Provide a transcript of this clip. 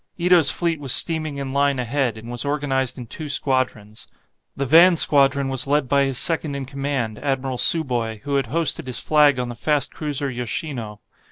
Ito's fleet was steaming in line ahead, and was organized in two squadrons. The van squadron was led by his second in command, Admiral Tsuboi, who had hoisted his flag on the fast cruiser "Yoshino."